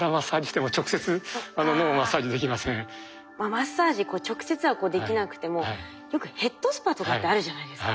マッサージ直接はこうできなくてもよくヘッドスパとかってあるじゃないですか。